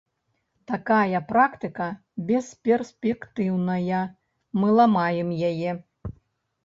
Такая практыка бесперспектыўная, мы ламаем яе.